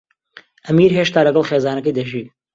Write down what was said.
ئەمیر هێشتا لەگەڵ خێزانەکەی دەژی.